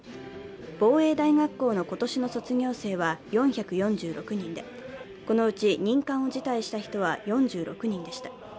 防衛大学校の今年の卒業生は４４６人で、このうち任官を辞退した人は４６人でした。